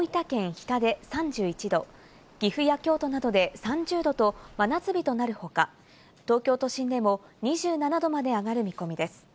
日田で３１度、岐阜や京都などで３０度と真夏日となるほか、東京都心でも２７度まで上がる見込みです。